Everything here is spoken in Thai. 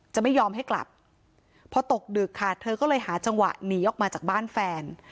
จะไม่ยอมให้กลับพอตกดึกค่ะเธอก็เลยหาจังหวะหนีออกมาจากบ้านแฟน